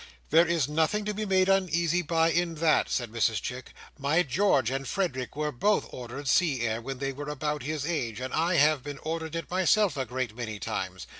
"There is nothing to be made uneasy by, in that," said Mrs Chick. "My George and Frederick were both ordered sea air, when they were about his age; and I have been ordered it myself a great many times.